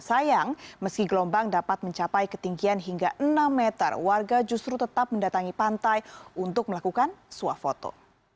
sayang meski gelombang dapat mencapai ketinggian hingga enam meter warga justru tetap mendatangi pantai untuk melakukan suah foto